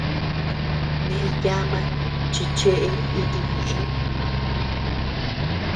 Nee yama chi chee iti ñëe.